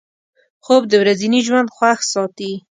خوب د ورځني ژوند خوښ ساتي